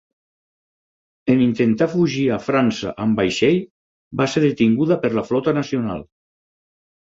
En intentar fugir a França amb vaixell, va ser detinguda per la flota nacional.